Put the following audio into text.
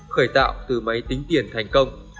khởi tạo từ máy tính tiền thành công